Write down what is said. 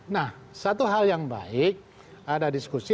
nah satu hal yang baik ada diskusi